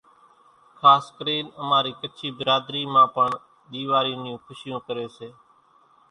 خاص ڪرين اماري ڪڇي ڀراڌري مان پڻ ۮيوارِي نيون کُشيون ڪري سي،